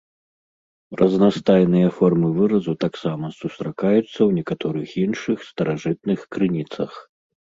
Разнастайныя формы выразу таксама сустракаюцца ў некаторых іншых старажытных крыніцах.